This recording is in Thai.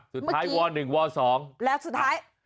สุดท้ายวอ๑วอ๒แล้วสุดท้าย